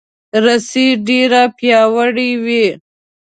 رسۍ ډیره پیاوړې وي.